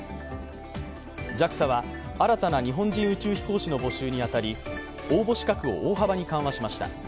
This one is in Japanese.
ＪＡＸＡは新たな日本人宇宙飛行士の募集に当たり、応募資格を大幅に緩和しました。